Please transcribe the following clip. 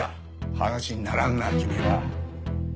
話にならんな君は。